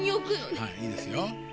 はいいいですよ。